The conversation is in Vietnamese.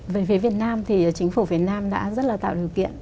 về phía việt nam thì chính phủ việt nam đã rất là tạo điều kiện